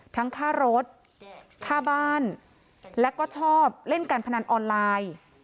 ค่ารถค่าบ้านแล้วก็ชอบเล่นการพนันออนไลน์